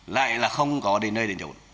lại là không có đến nơi để nhổn